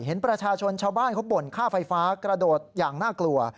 เห็นประชาชนชาวบ้านเขาบ่นค่าไฟฟ้ากระโดดอย่างน่ากลัว